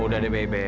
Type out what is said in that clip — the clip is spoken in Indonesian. udah deh bebe